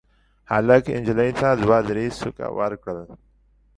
هلک نجلۍ ته دوه درې سوکه ورکړل.